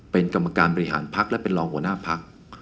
เป็นกรรมการบริหารพักและเป็นรองหัวหน้าพัก